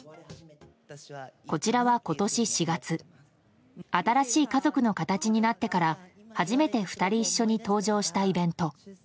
こちらは今年４月新しい家族の形になってから初めて２人一緒に登場したイベント。